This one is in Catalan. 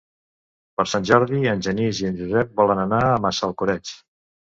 Per Sant Jordi en Genís i en Josep volen anar a Massalcoreig.